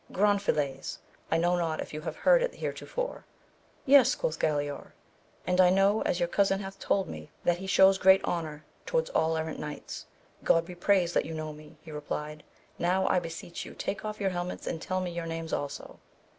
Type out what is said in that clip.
— Granfiles, I know not if you have heard it heretofore. Yes, quoth Galaor, and I know, as your cousin hath told me, that he shews great honour to wards all errant knights. God be praised that you know me ! he replied, now I beseech you take off your helmets and tell me your names also.